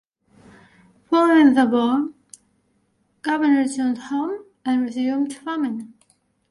Following the war, Govan returned home and resumed farming.